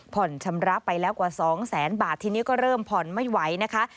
ชำระไปแล้วกว่า๒แสนบาททีนี้ก็เริ่มผ่อนไม่ไหวนะคะ